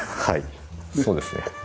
はいそうですね。